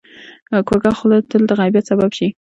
کوږه خوله تل د غیبت سبب شي